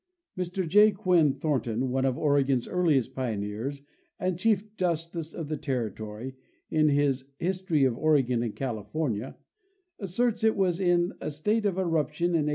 Mr J. Quinn Thornton, one of Oregon's earliest pioneers and chief justice of the terri tory, in his " History of Oregon and California," asserts it was in a state of eruption in 1831.